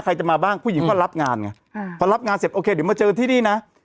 ใครจะมาบ้างผู้หญิงก็รับงานไงพอรับงานเสร็จโอเคเดี๋ยวมาเจอที่นี่นะ